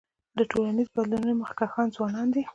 د ټولنیزو بدلونونو مخکښان ځوانان دي.